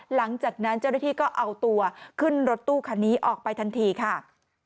หลังจากนั้นเจ้าหน้าที่ก็เอาตัวขึ้นรถตู้คันนี้ออกไปทันทีค่ะ